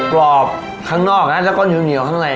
กรอบข้างนอกนะแล้วก็เหนียวข้างใน